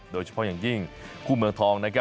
โดยเฉพาะอย่างยิ่งคู่เมืองทอง